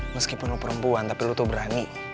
meskipun lo perempuan tapi lu tuh berani